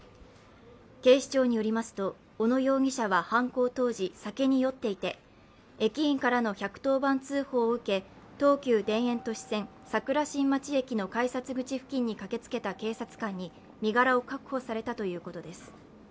警視庁によりますと、小野容疑者は犯行当時、酒に酔っていて駅員からの１１０番通報を受け東急田園都市線桜新町駅の改札口付近に駆けつけた警察官に身柄を確保されたということです。